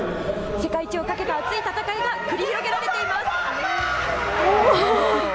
世界一をかけた熱い戦いが繰り広げられています。